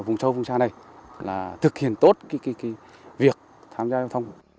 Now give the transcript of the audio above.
ở vùng châu vùng xa này là thực hiện tốt việc tham gia giao thông